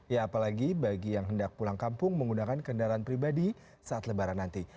ya apalagi bagi yang hendak pulang kampung menggunakan kendaraan pribadi saat lebaran nanti